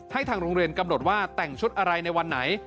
ทางโรงเรียนกำหนดว่าแต่งชุดอะไรในวันไหน